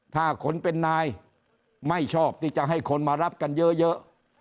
ถ้าคนเป็นนายไม่ชอบที่จะให้คนมารับกันเยอะ